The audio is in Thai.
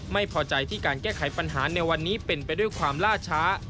ไม่พอใจที่การแก้ไขปัญหาในวันนี้เป็นไปด้วยความล่าช้า